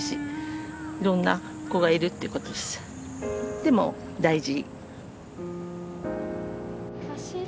でも大事。